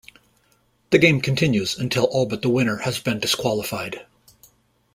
The game continues until all but the winner has been disqualified.